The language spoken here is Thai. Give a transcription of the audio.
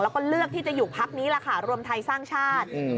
แล้วก็เลือกที่จะอยู่พักนี้แหละค่ะรวมไทยสร้างชาติ